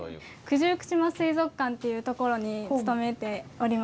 九十九島水族館っていうところに勤めております。